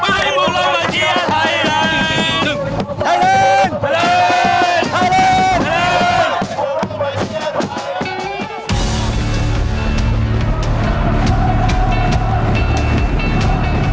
ไทยเล่นไทยเล่นไทยเล่นไทยเล่น